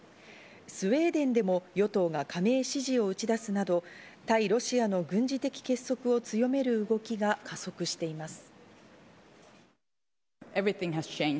スウェーデンでも与党が加盟支持を打ち出すなど対ロシアの軍事的結束を強める動きが加速しています。